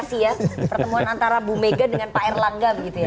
pertemuan antara bu mega dengan